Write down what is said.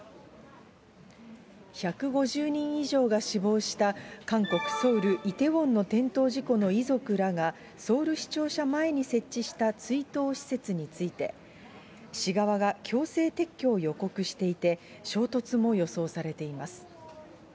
１５０人以上が死亡した、韓国・ソウル・イテウォンの転倒事故の遺族らが、ソウル市庁舎前に設置した追悼施設について、市側が強制撤去を予告していて、衝突も予想されています。